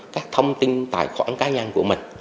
các thông tin tài khoản cá nhân của mình